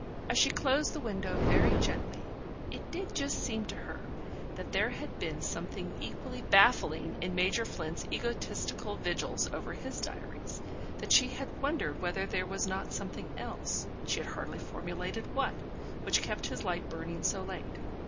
... As she closed the window very gently, it did just seem to her that there had been something equally baffling in Major Flint's egoistical vigils over his diaries; that she had wondered whether there was not something else (she had hardly formulated what) which kept his lights burning so late.